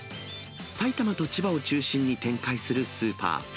埼玉と千葉を中心に展開するスーパー。